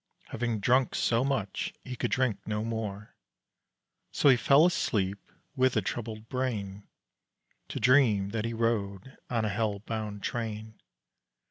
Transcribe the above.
Having drunk so much he could drink no more; So he fell asleep with a troubled brain To dream that he rode on a hell bound train.